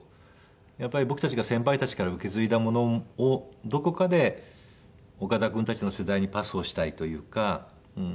やっぱり僕たちが先輩たちから受け継いだものをどこかで岡田君たちの世代にパスをしたいというか。